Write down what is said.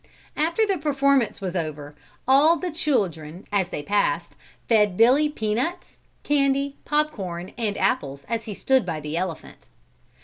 After the performance was over, all the children as they passed fed Billy peanuts, candy, pop corn and apples as he stood by the elephant.